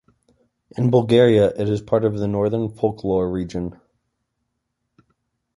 In Bulgaria it is part of the "Northern folklore region".